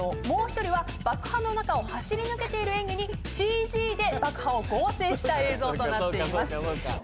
もう一人は爆破の中を走り抜けている演技にＣＧで爆破を合成した映像となっています。